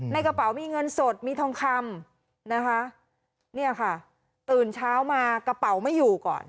ในกระเป๋ามีเงินสดมีทองคำนะคะเนี่ยค่ะตื่นเช้ามากระเป๋าไม่อยู่ก่อน